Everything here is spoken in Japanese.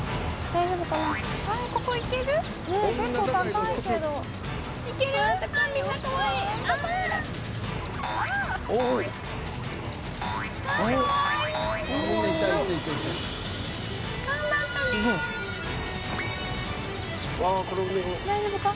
大丈夫か？